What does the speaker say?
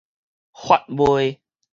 法賣